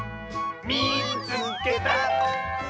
「みいつけた！」。